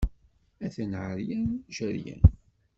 Atan ɛeryan, jeryan.